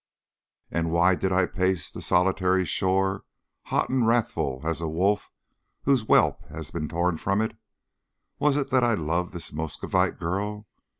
And why did I pace the solitary shore, hot and wrathful as a wolf whose whelp has been torn from it? Was it that I loved this Muscovite girl?